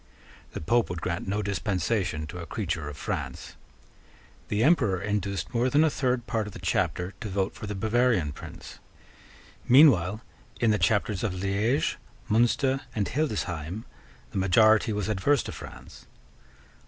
The Pope would grant no dispensation to a creature of France. The Emperor induced more than a third part of the Chapter to vote for the Bavarian prince. Meanwhile, in the Chapters of Liege, Munster, and Hildesheim, the majority was adverse to France.